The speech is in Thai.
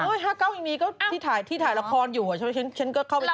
ไม่ภาษา๕๙ยังมีก็ที่ถ่ายละครอยู่ฉันก็เข้าไปตามไอ้ติ๊ม